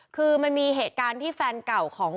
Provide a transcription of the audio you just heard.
คือมันมีเหตุการณ์ที่แฟนเก่าของ